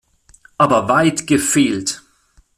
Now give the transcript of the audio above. Aber weit gefehlt!